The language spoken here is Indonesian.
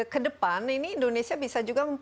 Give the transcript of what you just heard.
ke depan ini indonesia bisa juga